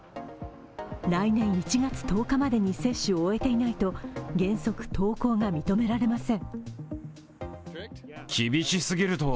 来年１月１０日までに接種を終えていないと原則、登校が認められません。